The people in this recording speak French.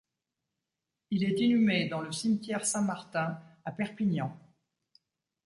Il est inhumé dans le Cimetière Saint-Martin à Perpignan.